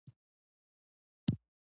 د تبه کچه بدلون ثبت کړئ.